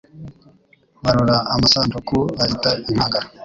Barora amasanduku bayita inkangara